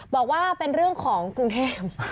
บอกว่าเป็นเรื่องของกรุงเทพ